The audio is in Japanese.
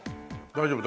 大丈夫？